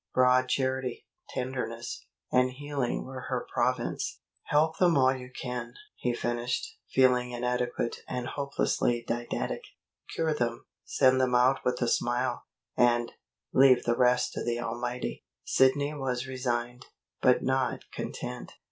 Broad charity, tenderness, and healing were her province. "Help them all you can," he finished, feeling inadequate and hopelessly didactic. "Cure them; send them out with a smile; and leave the rest to the Almighty." Sidney was resigned, but not content.